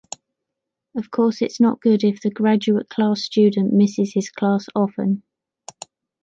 Of course it’s not good if the graduate class student misses his class often.